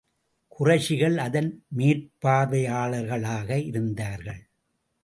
குறைஷிகள் அதன் மேற்பார்வையாளர்களாக இருந்தார்கள்.